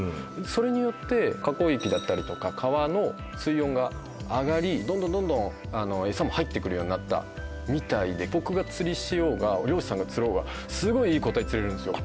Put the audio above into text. それによって河口域だったりとか川の水温が上がりどんどんどんどんエサも入ってくるようになったみたいで僕が釣りしようが漁師さんが釣ろうがすごいいい個体釣れるんですよ